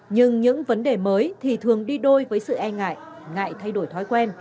nhưng những vấn đề mới thì thường đi đôi với sự e ngại ngại thay đổi thói quen